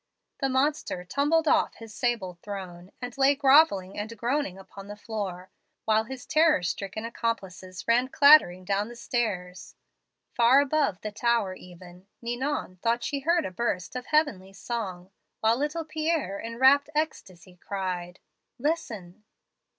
"The monster tumbled off his sable throne and lay grovelling and groaning upon the floor, while his terror stricken accomplices ran clattering down the stairs. "Far above the tower even, Ninon thought she heard a burst of heavenly song, while little Pierre in rapt ecstasy cried,' Listen.'